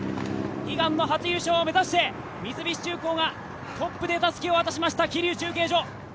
悲願の初優勝を目指して三菱重工がトップでたすきを渡しました桐生中継所。